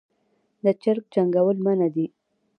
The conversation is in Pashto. د چرګ جنګول منع دي